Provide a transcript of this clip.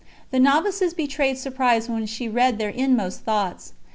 The novices betrayed surprise when she read their inmost thoughts.